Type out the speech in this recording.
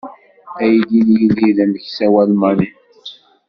Aydi n Yidir d ameksaw almani.